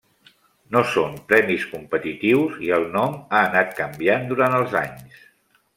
No són premis competitius, i el nom ha anat canviant durant els anys.